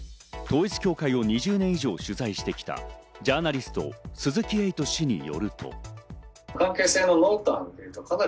統一教会を２０年以上取材してきたジャーナリスト・鈴木エイト氏によると。